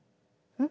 うん？